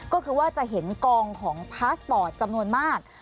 ก็คือว่าจะเห็นกองของพาสปอร์ตจำนวนมาก